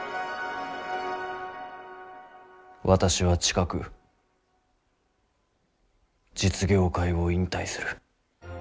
私は近く実業界を引退する。